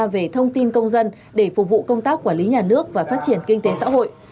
về thông tin công dân để phục vụ công tác quản lý nhà nước và phát triển kinh tế xã hội